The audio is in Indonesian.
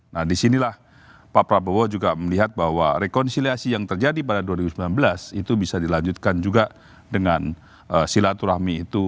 nah disinilah pak prabowo juga melihat bahwa rekonsiliasi yang terjadi pada dua ribu sembilan belas itu bisa dilanjutkan juga dengan silaturahmi itu